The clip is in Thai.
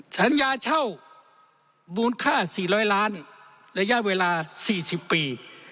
สัญญาเช่าบูรณ์ค่าสี่ร้อยล้านระยะเวลาสี่สิบปี